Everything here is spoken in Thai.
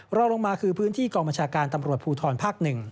รองลงมาคือพื้นที่กองบัญชาการตำรวจภูทรภาค๑